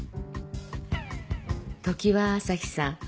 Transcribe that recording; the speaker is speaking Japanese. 常葉朝陽さん。